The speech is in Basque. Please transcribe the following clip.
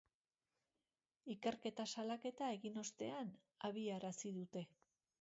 Ikerketa salaketa egin ostean abiarazi dute.